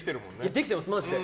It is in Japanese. できてます、マジで。